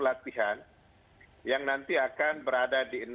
latihan yang nanti akan berada di